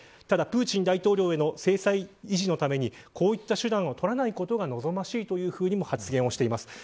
ただ、プーチン大統領への制裁維持のためにこうした手段をとらないことが望ましいとも発言をしています。